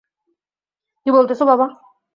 কী বলতেছো, বাবা?